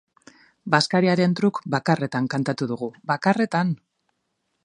Bazkariaren truk bakarretan kantatu dugu, bakarretan!